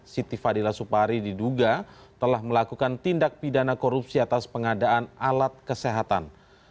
siti fadila supari diduga telah melakukan tindak pidana korupsi atas pengadaan alat kesehatan